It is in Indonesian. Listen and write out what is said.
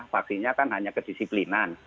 vaksinnya kan hanya kedisiplinan